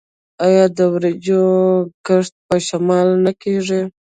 آیا د وریجو کښت په شمال کې نه کیږي؟